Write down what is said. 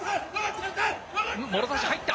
もろ差し入った。